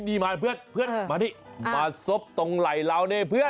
นี่มาเพื่อนมานี่มาซบตรงไหล่เรานี่เพื่อน